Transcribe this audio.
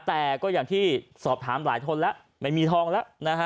แต่ก็อย่างที่สอบถามหลายคนแล้วไม่มีทองแล้วนะฮะ